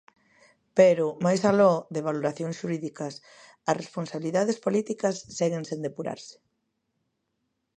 Pero, máis aló de valoracións xurídicas, as responsabilidades políticas seguen sen depurarse.